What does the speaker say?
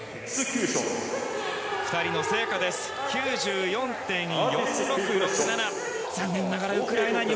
２人の成果です９４．４６６７。